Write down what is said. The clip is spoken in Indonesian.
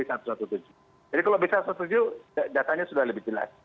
jadi kalau b satu ratus tujuh belas datanya sudah lebih jelas